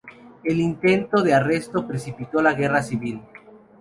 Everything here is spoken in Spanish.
El intento de arresto precipitó la guerra civil.